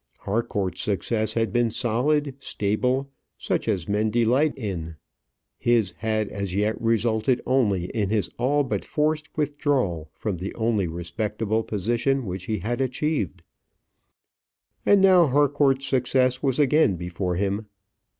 Harcourt's success had been solid, stable, such as men delight in; his had as yet resulted only in his all but forced withdrawal from the only respectable position which he had achieved. And now Harcourt's success was again before him.